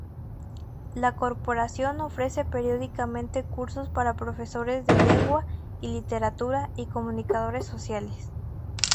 La corporación ofrece periódicamente cursos para profesores de Lengua y Literatura y comunicadores sociales.